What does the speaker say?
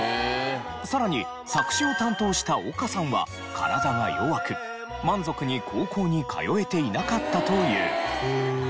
さらに作詩を担当した丘さんは体が弱く満足に高校に通えていなかったという。